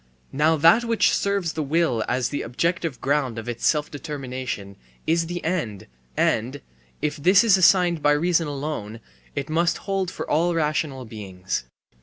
Now that which serves the will as the objective ground of its self determination is the end, and, if this is assigned by reason alone, it must hold for all rational beings.